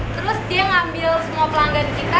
terus dia ngambil semua pelanggan kita